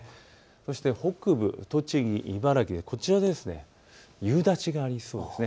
そして北部、栃木、茨城、こちら夕立がありそうです。